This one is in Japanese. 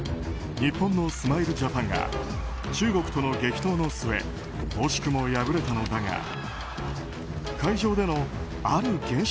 日本のスマイルジャパンが中国との激闘の末惜しくも敗れたのだが